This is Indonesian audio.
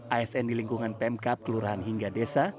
asn di lingkungan pemkap kelurahan hingga desa